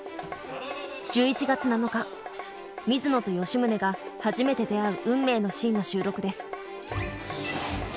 １１月７日水野と吉宗が初めて出会う運命のシーンの収録です。